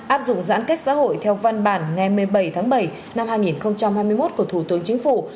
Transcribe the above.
áp dụng giãn cách xã hội theo văn bản ngày một mươi bảy tháng bảy năm hai nghìn hai mươi một của thủ tướng chính phủ